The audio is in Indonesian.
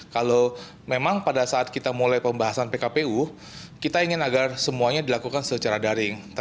kalau memang pada saat kita mulai pembahasan pkpu kita ingin agar semuanya dilakukan secara daring